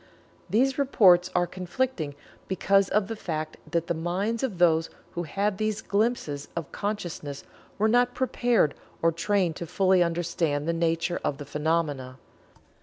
These reports are conflicting because of the fact that the minds of those who had these glimpses of consciousness were not prepared or trained to fully understand the nature of the phenomena.